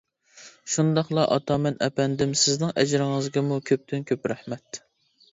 شۇنداقلا ئاتامان ئەپەندىم سىزنىڭ ئەجرىڭىزگىمۇ كۆپتىن كۆپ رەھمەت.